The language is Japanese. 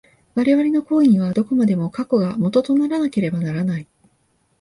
我々の行為には、どこまでも過去が基とならなければならない。